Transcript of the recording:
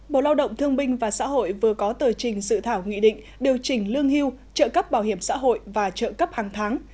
bộ lao động thương binh và xã hội vừa có tờ trình sự thảo nghị định điều chỉnh lương hưu trợ cấp bảo hiểm xã hội và trợ cấp hàng tháng